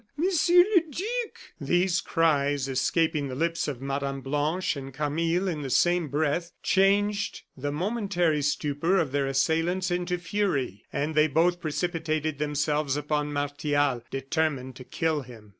"Monsieur le Duc!" These cries escaping the lips of Mme. Blanche and Camille in the same breath, changed the momentary stupor of their assailants into fury; and they both precipitated themselves upon Martial, determined to kill him.